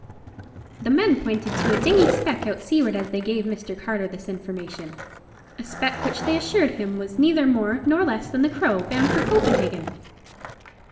The men pointed to a dingy speck out seaward as they gave Mr. Carter this information—a speck which they assured him was neither more nor less than the Crow, bound for Copenhagen.